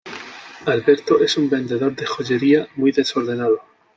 Alberto es un vendedor de joyería, muy desordenado.